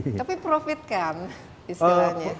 tapi profit kan istilahnya